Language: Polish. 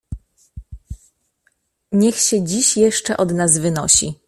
"Niech się dziś jeszcze od nas wynosi."